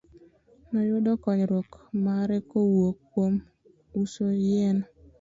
Noyudo konyruok mare kowuok kuom uso yien.